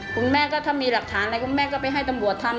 คุณแม่ก็ถ้ามีหลักฐานอะไรก็แม่ก็ไปให้ตำรวจทำ